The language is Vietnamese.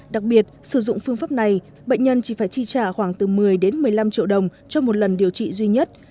đặc biệt sử dụng phương pháp này bệnh nhân chỉ phải chi trả khoảng từ một mươi đến một mươi năm triệu đồng cho một lần điều trị duy nhất